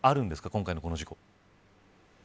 今回のこの事故。